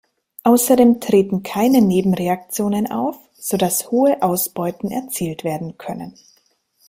Außerdem treten keine Nebenreaktionen auf, sodass hohe Ausbeuten erzielt werden können.